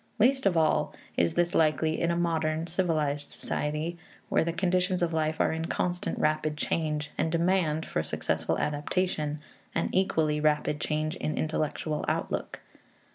Least of all is this likely in a modern civilized society, where the conditions of life are in constant rapid change, and demand, for successful adaptation, an equally rapid change in intellectual outlook.